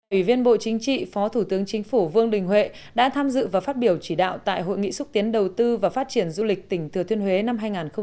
ủy viên bộ chính trị phó thủ tướng chính phủ vương đình huệ đã tham dự và phát biểu chỉ đạo tại hội nghị xúc tiến đầu tư và phát triển du lịch tỉnh thừa thiên huế năm hai nghìn một mươi chín